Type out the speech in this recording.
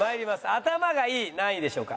「頭がいい」何位でしょうか？